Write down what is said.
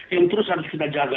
yang terus harus kita jaga